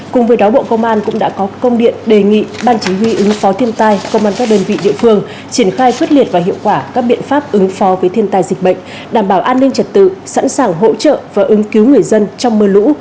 cùng với đó bộ công an cũng đã có công điện đề nghị ban chỉ huy ứng phó thiên tai công an các đơn vị địa phương triển khai xuất liệt và hiệu quả các biện pháp ứng phó với thiên tai dịch bệnh đảm bảo an ninh trật tự sẵn sàng hỗ trợ và ứng cứu người dân trong mưa lũ